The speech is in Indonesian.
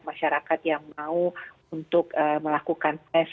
masyarakat yang mau untuk melakukan tes